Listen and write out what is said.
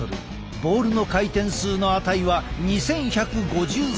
ボールの回転数の値は２，１５３。